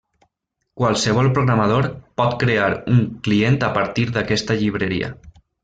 Qualsevol programador pot crear un client a partir d'aquesta llibreria.